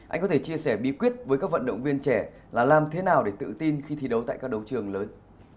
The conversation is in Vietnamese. anh có thể chia sẻ bí quyết với các vận động viên trẻ là làm thế nào để tự tin khi thi đấu tại các đấu trường lớn